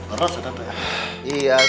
orang sadar pak